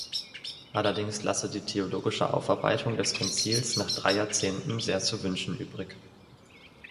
Allerdings lasse die theologische Aufarbeitung des Konzils nach drei Jahrzehnten sehr zu wünschen übrig.